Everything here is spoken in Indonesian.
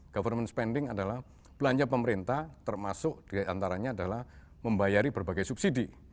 government spending adalah belanja pemerintah termasuk diantaranya adalah membayari berbagai subsidi